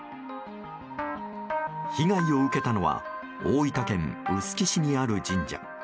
被害を受けたのは大分県臼杵市にある神社。